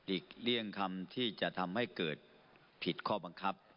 อีกเลี่ยงคำที่จะทำให้เกิดผิดข้อบังคับ